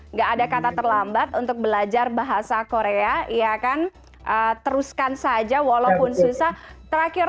nggak ada kata terlambat untuk belajar bahasa korea iya kan teruskan saja walaupun susah terakhir